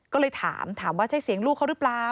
ก็เลยถามถามว่าใช่เสียงลูกเขาหรือเปล่า